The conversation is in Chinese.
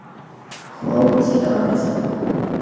何无忌的儿子。